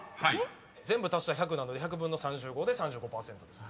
全部足したら１００なので１００分の３５で「３５％」です。